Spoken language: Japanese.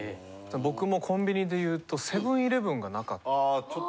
僕もコンビニでいうとセブン−イレブンがなかった。